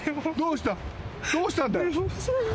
どうしたんだよ？